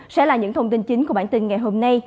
sẽ là những thông tin chính của bản tin ngày hôm nay